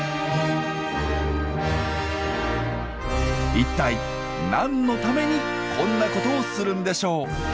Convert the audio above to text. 一体何のためにこんなことをするんでしょう？